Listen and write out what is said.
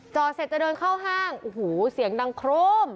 เสร็จจะเดินเข้าห้างโอ้โหเสียงดังโครม